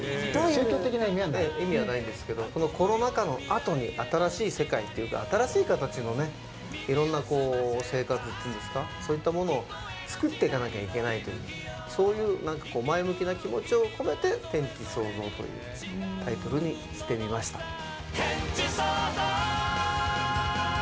宗教的な意味はないんですけれども、このコロナ禍のあとに新しい世界というか、新しい形のいろんな生活というんですか、そういったものを作っていかなきゃいけないという、そういうなんかこう、前向きな気持ちを込めて天地創造というタイトルにしてみました。